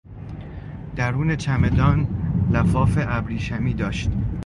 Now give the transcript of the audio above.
درون چمدان لفاف ابریشمی داشت.